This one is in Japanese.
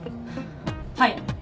はい。